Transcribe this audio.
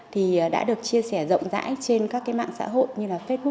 thì đã được chia sẻ rộng rãi trên các mạng xã hội